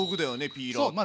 ピーラーって。